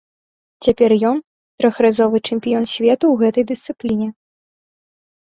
Цяпер ён трохразовы чэмпіён свету ў гэтай дысцыпліне.